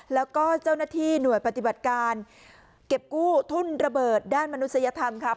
แล้วก็เจ้าหน้าที่หน่วยปฏิบัติการเก็บกู้ทุ่นระเบิดด้านมนุษยธรรมค่ะ